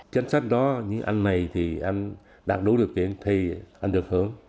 chính sách đó như anh này thì anh đạt đủ điều kiện thì anh được hưởng